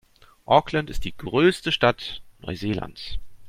Auckland ist die größte Stadt Neuseelands.